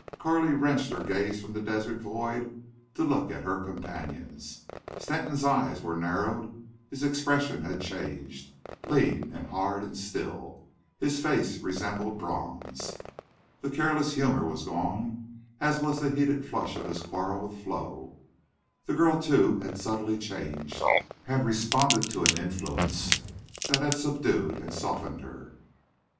Carley wrenched her gaze from the desert void to look at her companions. Stanton's eyes were narrowed; his expression had changed; lean and hard and still, his face resembled bronze. The careless humor was gone, as was the heated flush of his quarrel with Flo. The girl, too, had subtly changed, had responded to an influence that had subdued and softened her.